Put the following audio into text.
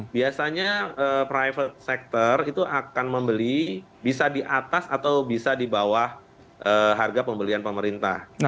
biasanya private sector itu akan membeli bisa di atas atau bisa di bawah harga pembelian pemerintah